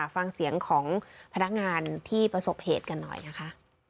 ฟังเสียงของพนักงานที่ประสบเหตุกันหน่อยนะคะ